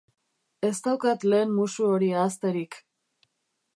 Ez daukat lehen musu hori ahazterik.